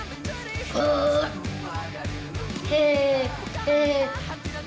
positif lelah naga kak lelah naga